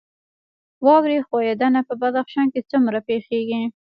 واورې ښویدنه په بدخشان کې څومره پیښیږي؟